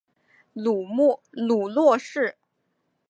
母骆氏。